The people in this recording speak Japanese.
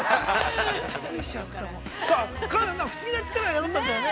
さあ、不思議な力が宿ったんだよね。